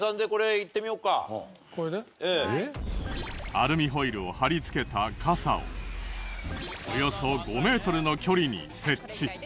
アルミホイルを貼り付けた傘をおよそ５メートルの距離に設置。